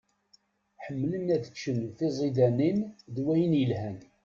Ḥemmlen ad ččen tiẓidanin d wayen yelhan.